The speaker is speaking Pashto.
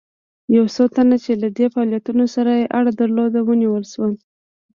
یو څو تنه چې له دې فعالیتونو سره یې اړه درلوده ونیول شول.